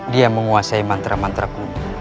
dia menguasai mantra mantra kumuh